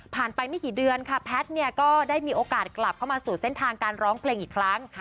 ไปไม่กี่เดือนค่ะแพทย์เนี่ยก็ได้มีโอกาสกลับเข้ามาสู่เส้นทางการร้องเพลงอีกครั้ง